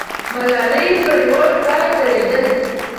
ملالۍ په لوړ ځای درېدله.